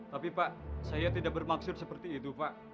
tapi pak saya tidak bermaksud seperti itu pak